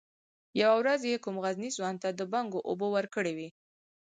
يوه ورځ يې کوم غرني ځوان ته د بنګو اوبه ورکړې وې.